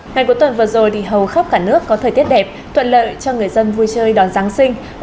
ngày cuối tuần vừa rồi thì hầu khắp cả nước có thời tiết đẹp thuận lợi cho người dân vui chơi đón giáng sinh